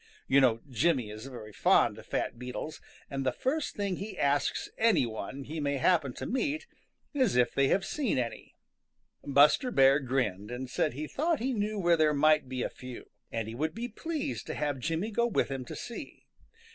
You know Jimmy is very fond of fat beetles, and the first thing he asks any one he may happen to meet is if they have seen any. Buster Bear grinned and said he thought he knew where there might be a few, and he would be pleased to have Jimmy go with him to see.